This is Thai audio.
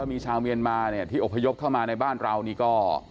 มีชาวเมียนมาเนี่ยที่อพยพเข้ามาในบ้านเรานี่ก็